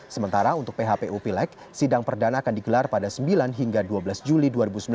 sementara untuk phpu pilek sidang perdana akan digelar pada sembilan hingga dua belas juli dua ribu sembilan belas